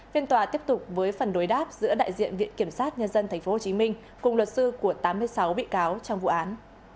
phiên tòa tiếp tục với phần đối đáp giữa đại diện viện kiểm sát nhân dân tp hcm cùng luật sư của tám mươi sáu bị cáo trong vụ án